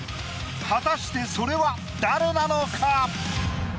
果たしてそれは誰なのか？